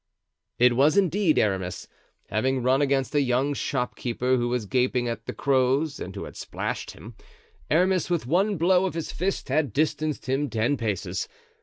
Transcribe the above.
It was indeed Aramis. Having run against a young shopkeeper who was gaping at the crows and who had splashed him, Aramis with one blow of his fist had distanced him ten paces.